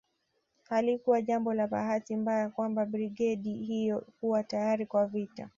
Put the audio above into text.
Halikuwa jambo la bahati mbaya kwamba brigedi hiyo kuwa tayari kwa vita